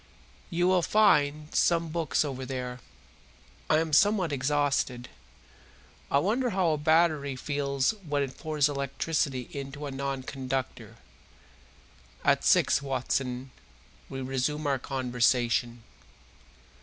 You will find some books over there. I am somewhat exhausted; I wonder how a battery feels when it pours electricity into a non conductor? At six, Watson, we resume our conversation."